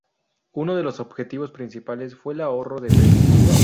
Uno de los objetivos principales fue el ahorro de peso.